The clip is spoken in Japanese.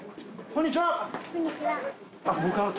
こんにちは。